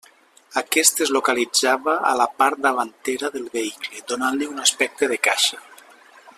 Aquest es localitzava a la part davantera del vehicle, donant-li un aspecte de caixa.